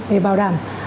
để bảo đảm